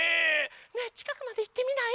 ねえちかくまでいってみない？